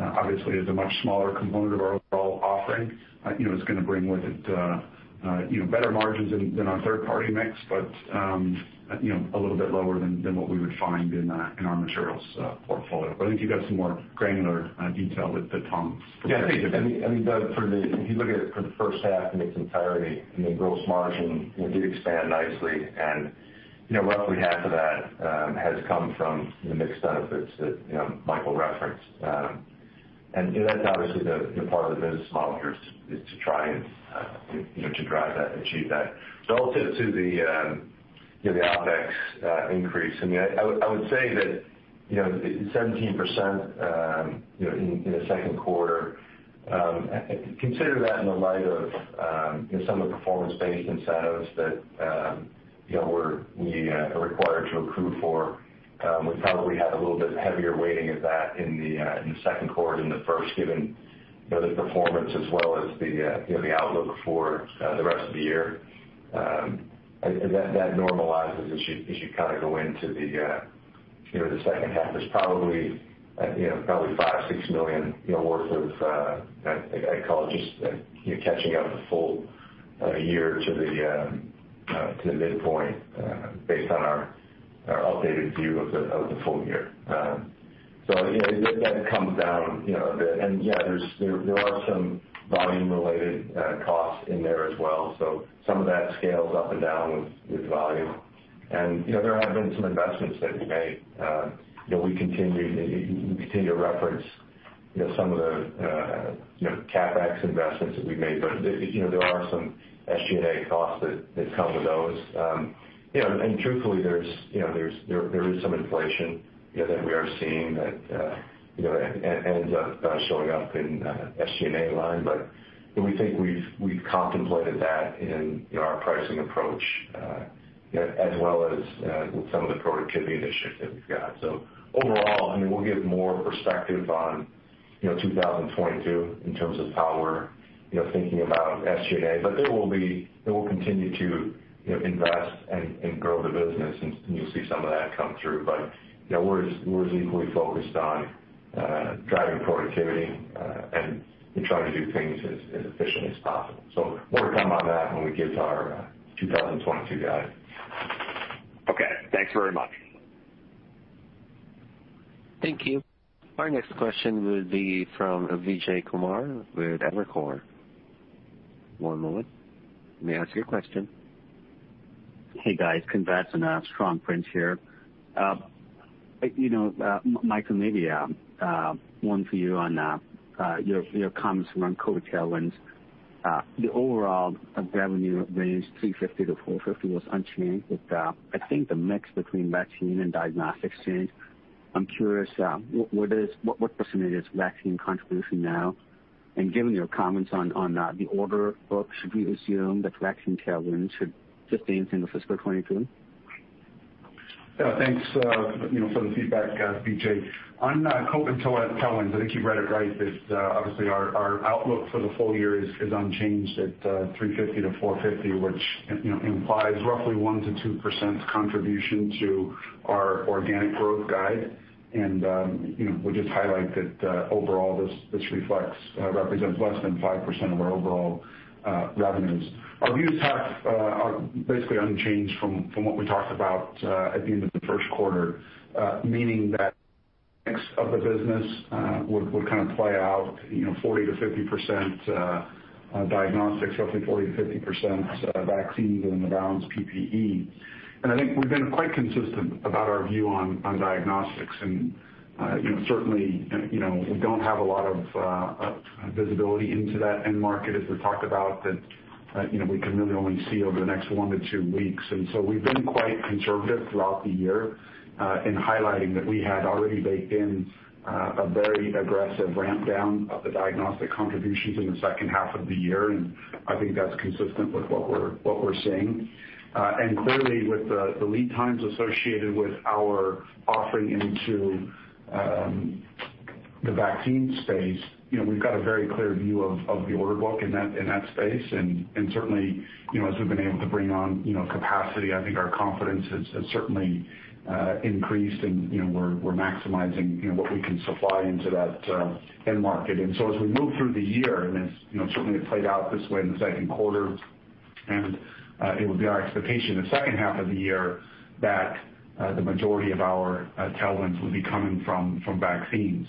obviously is a much smaller component of our overall offering. It's going to bring with it better margins than our third-party mix, but a little bit lower than what we would find in our materials portfolio. I think you got some more granular detail with the Tom. Yeah, I think, I mean, Doug, if you look at it for the first half in its entirety, gross margin did expand nicely, and roughly half of that has come from the mix benefits that Michael referenced. That's obviously the part of the business model is to try and to drive that, achieve that. Relative to the OpEx increase, I would say that 17% in the second quarter, consider that in the light of some of the performance-based incentives that we are required to accrue for. We probably had a little bit heavier weighting of that in the second quarter than the first, given the performance as well as the outlook for the rest of the year. That normalizes as you kind of go into the second half. There's probably $5 million, $6 million worth of, I'd call it just catching up the full year to the midpoint based on our updated view of the full year. That comes down a bit. Yeah, there are some volume-related costs in there as well, so some of that scales up and down with volume. There have been some investments that we made. We continue to reference some of the CapEx investments that we've made, but there are some SG&A costs that come with those. Truthfully, there is some inflation that we are seeing that ends up showing up in SG&A line. We think we've contemplated that in our pricing approach as well as some of the productivity initiatives that we've got. Overall, we'll give more perspective on 2022 in terms of how we're thinking about SG&A. It will continue to invest and grow the business, and you'll see some of that come through. We're as equally focused on driving productivity and trying to do things as efficiently as possible. More to come on that when we get to our 2022 guide. Okay. Thanks very much. Thank you. Our next question will be from Vijay Kumar with Evercore. One moment. You may ask your question. Hey, guys. Congrats on a strong quarter here. Michael, maybe one for you on your comments around COVID tailwinds. The overall revenue range of $350-$450 was unchanged, but I think the mix between vaccine and diagnostics changed. I'm curious, what % is vaccine contribution now? Given your comments on the order book, should we assume that vaccine tailwinds should sustain into fiscal 2022? Yeah, thanks for the feedback, Vijay. On COVID tailwinds, I think you read it right that obviously our outlook for the full year is unchanged at $350 million-$450 million, which implies roughly 1%-2% contribution to our organic growth guide. We'll just highlight that overall, this reflects or represents less than 5% of our overall revenues. Our views have basically unchanged from what we talked about at the end of the first quarter. Meaning that mix of the business would kind of play out 40%-50% diagnostics, roughly 40%-50% vaccines and the balance PPE. I think we've been quite consistent about our view on diagnostics and certainly, we don't have a lot of visibility into that end market as we talked about that we can really only see over the next one-two weeks. We've been quite conservative throughout the year in highlighting that we had already baked in a very aggressive ramp down of the diagnostic contributions in the second half of the year, and I think that's consistent with what we're seeing. Clearly with the lead times associated with our offering into the vaccine space, we've got a very clear view of the order book in that space. Certainly, as we've been able to bring on capacity, I think our confidence has certainly increased and we're maximizing what we can supply into that end market. As we move through the year, and it's certainly played out this way in the second quarter, and it would be our expectation the second half of the year that the majority of our tailwinds will be coming from vaccines.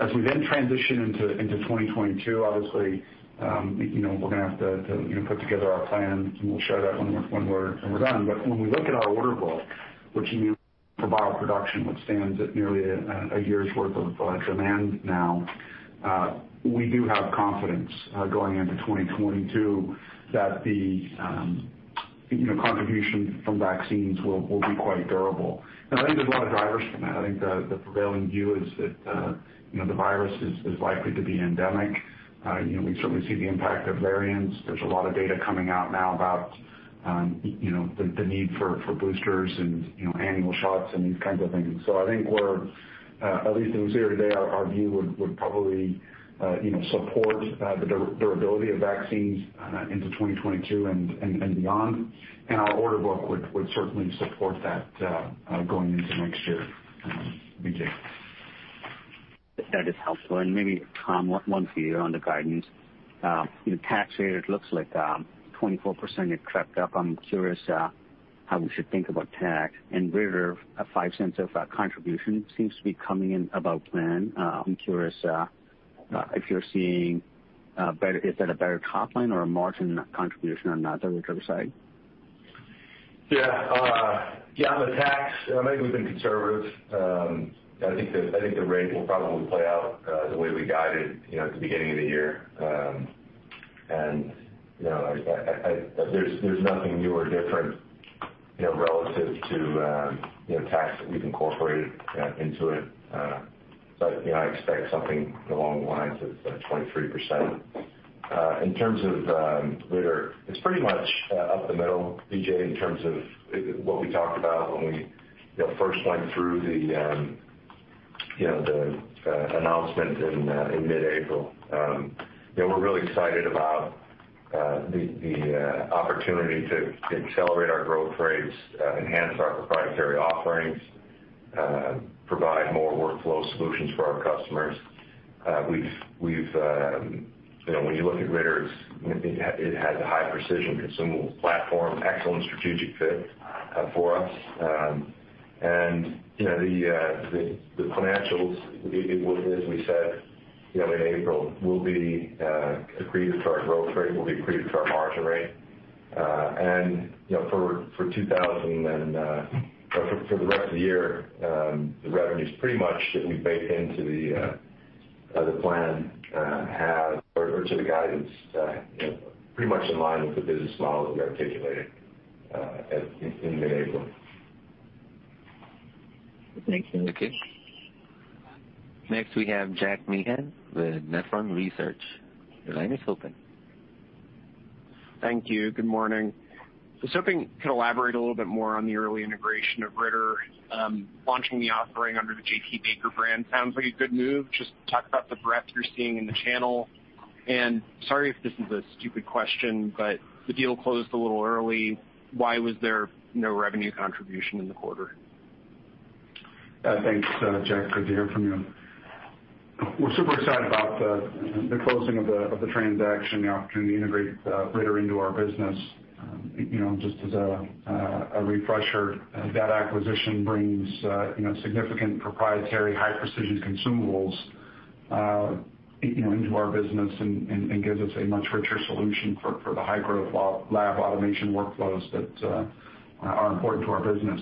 As we transition into 2022, obviously, we're going to have to put together our plan, and we'll share that when we're done. When we look at our order book, which for bioproduction, which stands at nearly one year's worth of demand now, we do have confidence going into 2022 that the contribution from vaccines will be quite durable. I think there's a lot of drivers for that. I think the prevailing view is that the virus is likely to be endemic. We certainly see the impact of variants. There's a lot of data coming out now about the need for boosters and annual shots and these kinds of things. I think we're, at least as of today, our view would probably support the durability of vaccines into 2022 and beyond. Our order book would certainly support that going into next year. Vijay Kumar. That is helpful, and maybe Tom, one for you on the guidance. Your tax rate, it looks like 24% it crept up. I'm curious how we should think about tax and Ritter, a $0.05 of contribution seems to be coming in about plan. Is that a better top line or a margin contribution on that, the Ritter side? Yeah. On the tax, I think we've been conservative. I think the rate will probably play out the way we guided at the beginning of the year. There's nothing new or different relative to tax that we've incorporated into it. I expect something along the lines of 23%. In terms of Ritter, it's pretty much up the middle, Vijay Kumar, in terms of what we talked about when we first went through the announcement in mid-April. We're really excited about the opportunity to accelerate our growth rates, enhance our proprietary offerings, provide more workflow solutions for our customers. When you look at Ritter, it has a high precision consumable platform, excellent strategic fit for us. The financials, as we said in April, will be accretive to our growth rate, will be accretive to our margin rate. For the rest of the year, the revenues pretty much that we baked into the plan have or to the guidance, pretty much in line with the business model that we articulated in mid-April. Thank you. Okay. Next we have Jack Meehan with Nephron Research. Your line is open. Thank you. Good morning. I was hoping you could elaborate a little bit more on the early integration of Ritter. Launching the offering under the J.T. Baker brand sounds like a good move. Just talk about the breadth you're seeing in the channel. Sorry if this is a stupid question, but the deal closed a little early. Why was there no revenue contribution in the quarter? Thanks Jack, good to hear from you. We're super excited about the closing of the transaction, the opportunity to integrate Ritter into our business. Just as a refresher, that acquisition brings significant proprietary, high precision consumables into our business and gives us a much richer solution for the high growth lab automation workflows that are important to our business.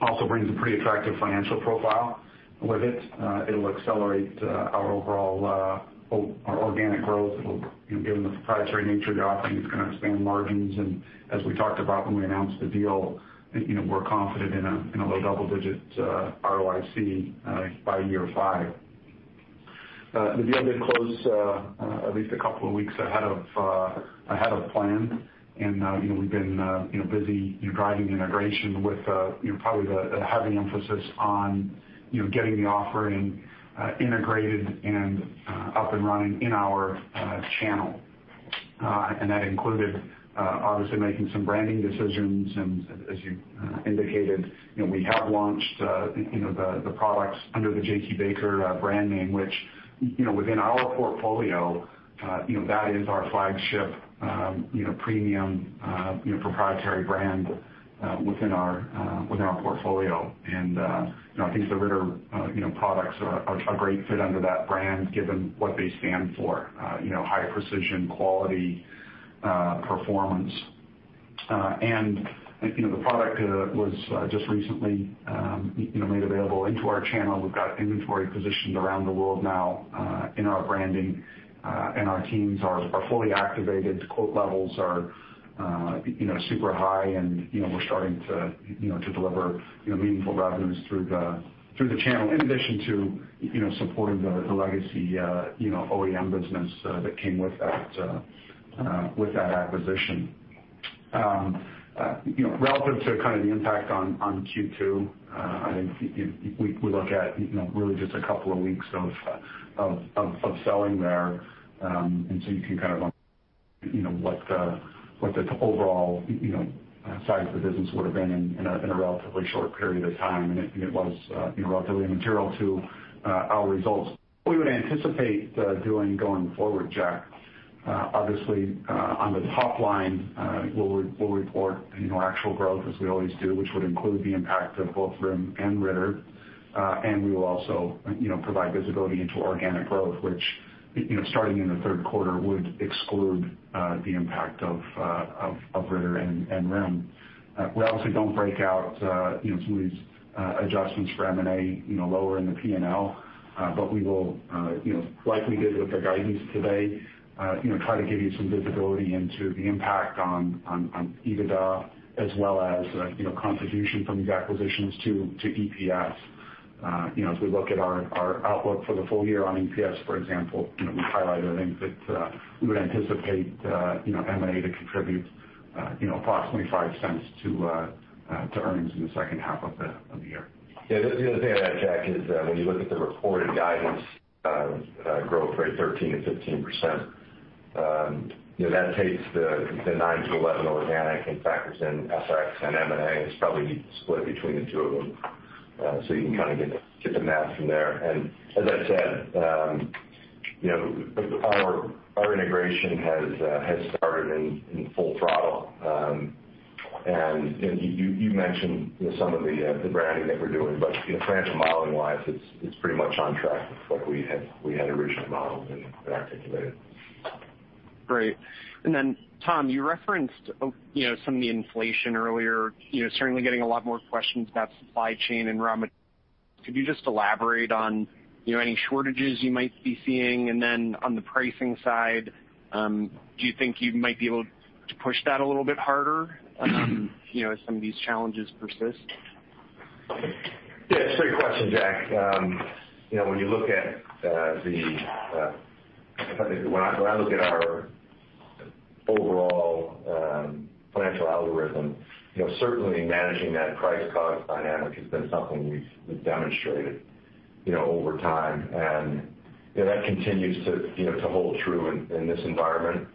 Also brings a pretty attractive financial profile with it. It'll accelerate our overall organic growth. Given the proprietary nature of the offering, it's going to expand margins, and as we talked about when we announced the deal, we're confident in a low double-digit ROIC by year five. The deal did close at least two weeks ahead of plan. We've been busy driving the integration with probably the heavy emphasis on getting the offering integrated and up and running in our channel. That included obviously making some branding decisions and as you indicated, we have launched the products under the J.T. Baker brand name, which within our portfolio, that is our flagship premium proprietary brand within our portfolio. I think the Ritter products are a great fit under that brand, given what they stand for. High precision, quality, performance. The product was just recently made available into our channel. We've got inventory positioned around the world now in our branding. Our teams are fully activated. Quote levels are super high, and we're starting to deliver meaningful revenues through the channel, in addition to supporting the legacy OEM business that came with that acquisition. Relative to kind of the impact on Q2, I think we look at really just a couple of weeks of selling there, and so you can kind of. What the overall size of the business would've been in a relatively short period of time. It was relatively material to our results. What we would anticipate doing going forward, Jack, obviously on the top line we'll report actual growth as we always do, which would include the impact of both RIM Bio and Ritter. We will also provide visibility into organic growth, which starting in the third quarter, would exclude the impact of Ritter and RIM Bio. We also don't break out some of these adjustments for M&A lower in the P&L, but we will likely with the guidance today try to give you some visibility into the impact on EBITDA as well as contribution from these acquisitions to EPS. As we look at our outlook for the full year on EPS, for example, we've highlighted, I think, that we would anticipate M&A to contribute approximately $0.05 to earnings in the second half of the year. Yeah. The other thing on that, Jack, is when you look at the reported guidance growth rate, 13%-15%, that takes the 9%-11% organic and factors in FX and M&A, it's probably split between the two of them. You can kind of get the math from there. As I said, our integration has started in full throttle. You mentioned some of the branding that we're doing, but financial modeling-wise, it's pretty much on track with what we had originally modeled and articulated. Great. Tom, you referenced some of the inflation earlier. Certainly, getting a lot more questions about supply chain and raw material. Could you just elaborate on any shortages you might be seeing? On the pricing side, do you think you might be able to push that a little bit harder as some of these challenges persist? Yeah. It's a great question, Jack. When I look at our overall financial algorithm, certainly managing that price/cost dynamic has been something we've demonstrated over time. That continues to hold true in this environment.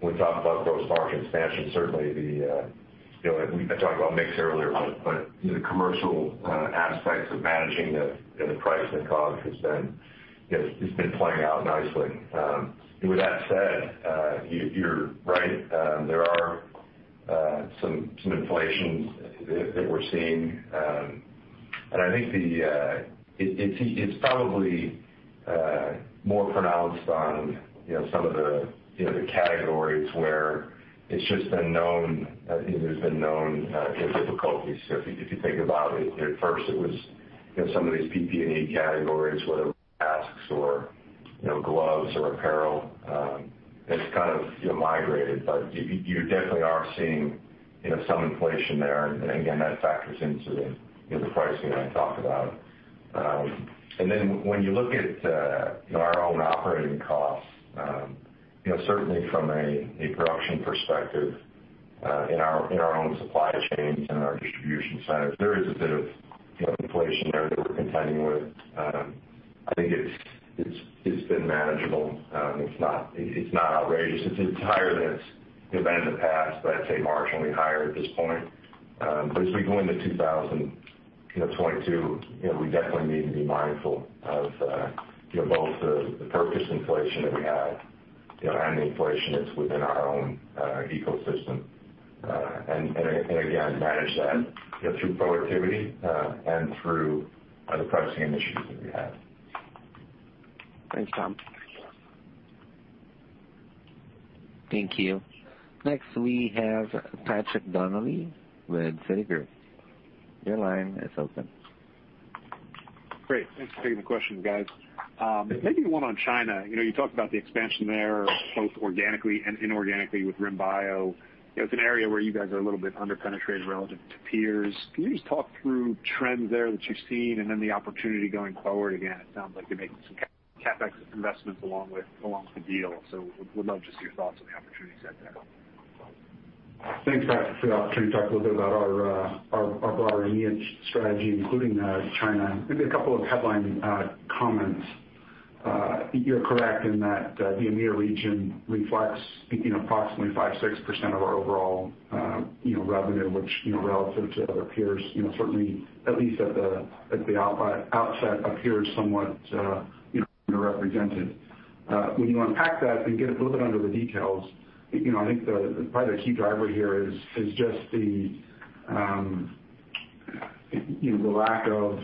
When we talk about gross margin expansion, certainly I talked about mix earlier, but the commercial aspects of managing the price and the cost has been playing out nicely. With that said, you're right. There are some inflation that we're seeing. I think it's probably more pronounced on some of the categories where it's just been known difficulties. If you think about it, at first it was some of these PPE categories, whether masks or gloves or apparel. It's kind of migrated, but you definitely are seeing some inflation there, and again, that factors into the pricing that I talked about. When you look at our own operating costs, certainly from a production perspective in our own supply chains and our distribution centers, there is a bit of inflation there that we're contending with. I think it's been manageable. It's not outrageous. It's higher than it's been in the past, but I'd say marginally higher at this point. As we go into 2022, we definitely need to be mindful of both the purchase inflation that we had and the inflation that's within our own ecosystem. Again, manage that through productivity and through the pricing initiatives that we have. Thanks, Tom. Thank you. Next we have Patrick Donnelly with Citigroup. Your line is open. Great. Thanks for taking the questions, guys. Maybe one on China. You talked about the expansion there, both organically and inorganically with RIM Bio. It's an area where you guys are a little bit under-penetrated relative to peers. Can you just talk through trends there that you've seen and then the opportunity going forward? Again, it sounds like you're making some CapEx investments along with the deal. Would love just your thoughts on the opportunities out there. Thanks, Patrick. For the opportunity to talk a little bit about our broader AMEA strategy, including China. Maybe a couple of headline comments. You're correct in that the AMEA region reflects approximately 5%-6% of our overall revenue, which relative to other peers, certainly at least at the outset, appears somewhat underrepresented. When you unpack that and get a little bit under the details, I think probably the key driver here is just the lack of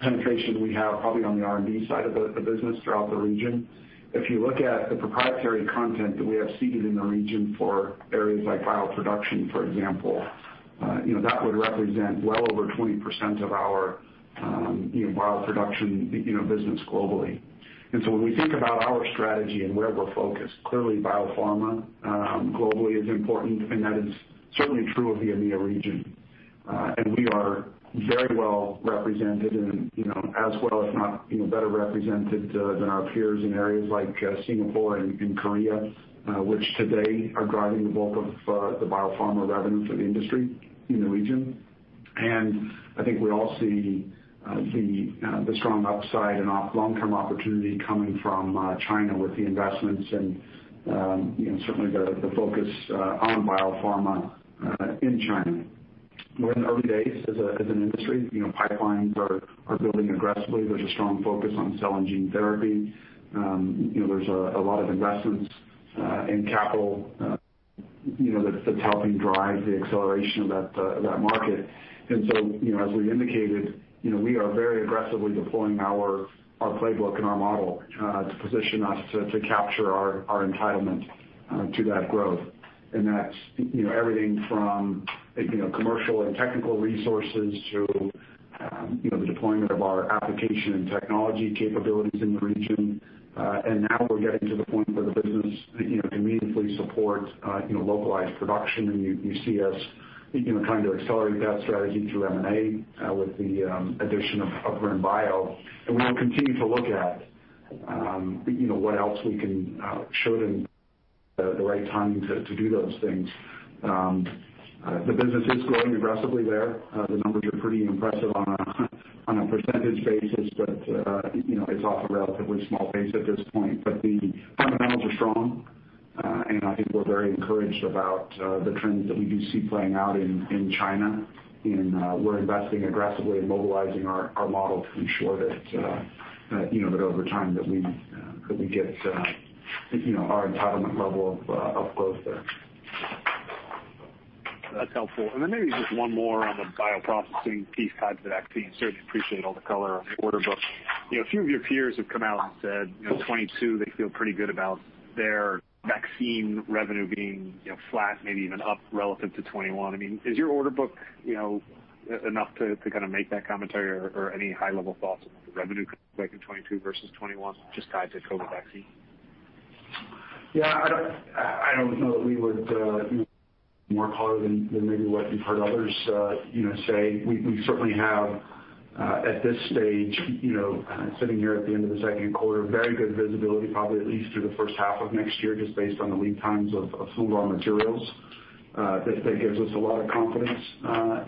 penetration we have probably on the R&D side of the business throughout the region. If you look at the proprietary content that we have seeded in the region for areas like bioproduction, for example, that would represent well over 20% of our bioproduction business globally. When we think about our strategy and where we're focused, clearly biopharma globally is important, and that is certainly true of the AMEA region. We are very well represented and as well, if not better represented than our peers in areas like Singapore and Korea which today are driving the bulk of the biopharma revenue for the industry in the region. I think we all see the strong upside and long-term opportunity coming from China with the investments and certainly the focus on biopharma in China. We're in the early days as an industry. Pipelines are building aggressively. There's a strong focus on cell and gene therapy. There's a lot of investments in capital that's helping drive the acceleration of that market. As we indicated, we are very aggressively deploying our playbook and our model to position us to capture our entitlement to that growth. That's everything from commercial and technical resources to the deployment of our application and technology capabilities in the region. Now we're getting to the point where the business can meaningfully support localized production, and you see us trying to accelerate that strategy through M&A with the addition of RIM Bio. We'll continue to look at what else we can show the right time to do those things. The business is growing aggressively there. The numbers are pretty impressive on a percentage basis, but it's off a relatively small base at this point. The fundamentals are strong. I think we're very encouraged about the trends that we do see playing out in China. We're investing aggressively in mobilizing our model to ensure that over time that we get our entitlement level of growth there. That's helpful. Maybe just one more on the bioprocessing piece tied to the vaccine. Certainly appreciate all the color on the order book. A few of your peers have come out and said 2022, they feel pretty good about their vaccine revenue being flat, maybe even up relevant to 2021. Is your order book enough to kind of make that commentary or any high-level thoughts on what the revenue could look like in 2022 versus 2021 just tied to COVID vaccine? Yeah, I don't know that we would more color than maybe what you've heard others say. We certainly have at this stage, sitting here at the end of the second quarter, very good visibility, probably at least through the first half of next year, just based on the lead times of raw materials. That gives us a lot of confidence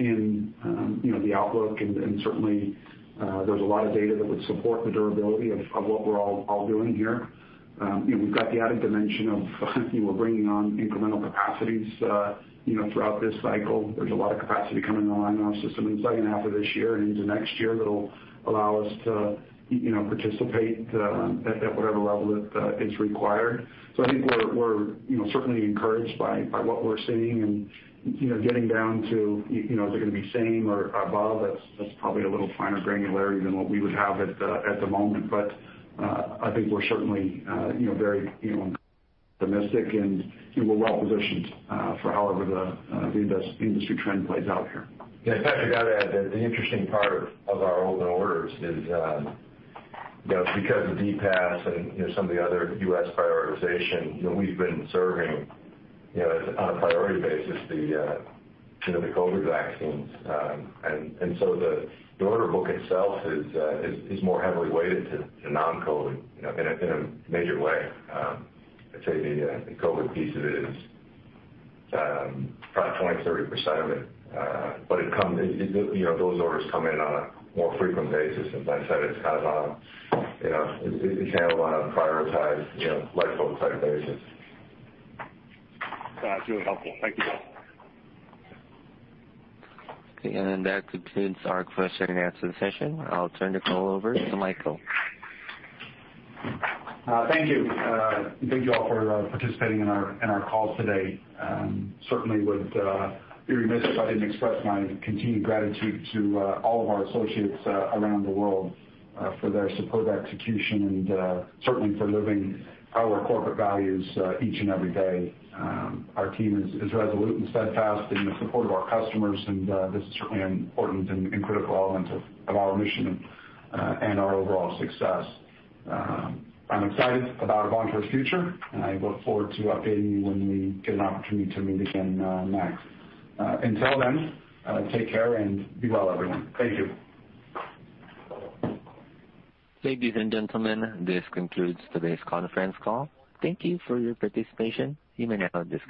in the outlook and certainly there's a lot of data that would support the durability of what we're all doing here. We've got the added dimension of we're bringing on incremental capacities throughout this cycle. There's a lot of capacity coming online in our system in the second half of this year and into next year that'll allow us to participate at whatever level that is required. I think we're certainly encouraged by what we're seeing and getting down to, is it going to be same or above? That's probably a little finer granularity than what we would have at the moment. I think we're certainly very optimistic, and we're well-positioned for however the industry trend plays out here. Yeah, Patrick, got to add that the interesting part of our open orders is because of DPAS and some of the other U.S. prioritization, we've been serving on a priority basis the COVID vaccines. The order book itself is more heavily weighted to non-COVID in a major way. I'd say the COVID piece of it is probably 20, 30% of it. Those orders come in on a more frequent basis. As I said, it's kind of on a prioritized, lifeboat type basis. It's really helpful. Thank you both. Okay, that concludes our question and answer session. I'll turn the call over to Michael. Thank you. Thank you all for participating in our call today. Certainly would be remiss if I didn't express my continued gratitude to all of our associates around the world for their superb execution and certainly for living our corporate values each and every day. Our team is resolute and steadfast in the support of our customers, and this is certainly an important and critical element of our mission and our overall success. I'm excited about Avantor's future, and I look forward to updating you when we get an opportunity to meet again next. Until then, take care and be well, everyone. Thank you. Ladies and gentlemen, this concludes today's conference call. Thank you for your participation. You may now disconnect.